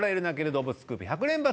動物スクープ１００連発」